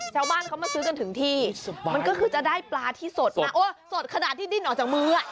ชาวบ้านเขามาซื้อกันถึงที่มันก็คือจะได้ปลาที่สดนะโอ้สดขนาดที่ดิ้นออกจากมืออ่ะ